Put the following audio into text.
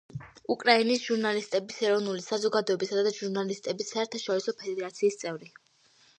უკრაინის ჟურნალისტების ეროვნული საზოგადოებისა და ჟურნალისტების საერთაშორისო ფედერაციის წევრი.